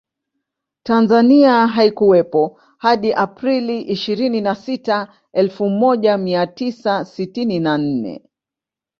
Tanzania haikuwepo hadi Aprili ishirini na sita elfu moja mia tisa sitini na nne